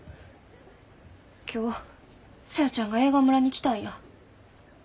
今日小夜ちゃんが映画村に来たんや。